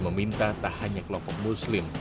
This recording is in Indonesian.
meminta tak hanya kelompok muslim